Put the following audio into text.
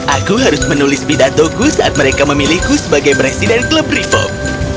aku harus menulis pidatoku saat mereka memilihku sebagai presiden klub reform